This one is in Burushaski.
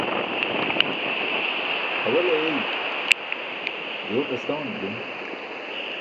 awa le eey joot astaman bilum